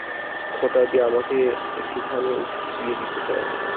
খোঁটা দিয়ে আমাকে একটুখানি উসকিয়ে দিতে চাও।